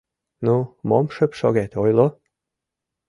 — Ну, мом шып шогет, ойло!